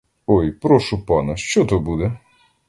Ой, прошу пана, що то буде?